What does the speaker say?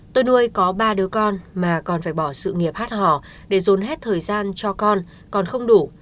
tôi nuôi có ba đứa con mà còn phải bỏ sự nghiệp hát hò để dồn hết thời gian cho con còn không đủ